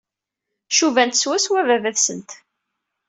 Cubant swaswa baba-tsent.